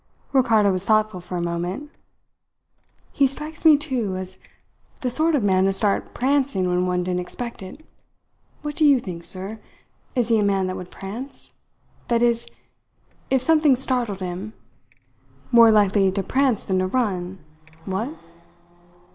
Ricardo was thoughtful for a moment. "He strikes me, too, as the sort of man to start prancing when one didn't expect it. What do you think, sir? Is he a man that would prance? That is, if something startled him. More likely to prance than to run what?"